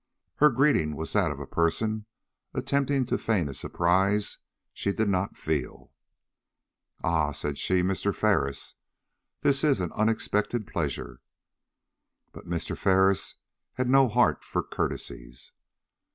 Her greeting was that of a person attempting to feign a surprise she did not feel. "Ah," said she, "Mr. Ferris! This is an unexpected pleasure." But Mr. Ferris had no heart for courtesies.